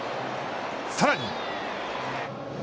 さらに。